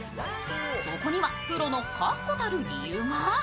そこには、プロの確固たる理由が。